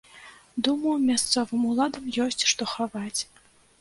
Думаю, мясцовым уладам ёсць што хаваць.